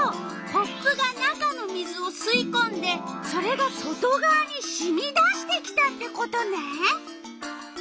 コップが中の水をすいこんでそれが外がわにしみ出してきたってことね！